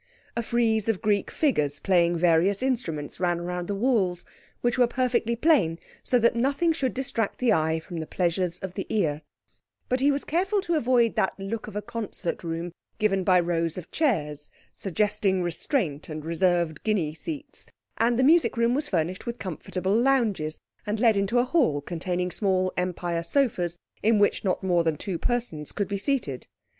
A frieze of Greek figures playing various instruments ran round the walls, which were perfectly plain so that nothing should distract the eye from the pleasures of the ear; but he was careful to avoid that look of a concert room given by rows of chairs (suggesting restraint and reserved guinea seats), and the music room was furnished with comfortable lounges and led into a hall containing small Empire sofas, in which not more than two persons could be seated.